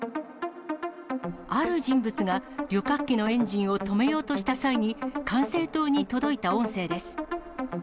ある人物が旅客機のエンジンを止めようとした際に、管制塔に届いた音声です。